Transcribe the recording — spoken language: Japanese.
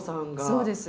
そうです。